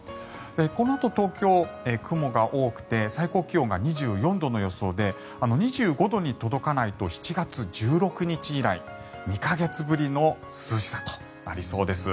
このあと東京、雲が多くて最高気温が２４度の予想で２５度に届かないと７月１６日以来２か月ぶりの涼しさとなりそうです。